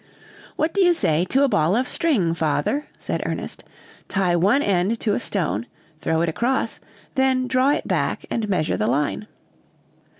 "What do you say to a ball of string, father?" said Ernest. "Tie one end to a stone, throw it across, then draw it back and measure the line!"